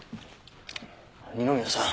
二宮さん。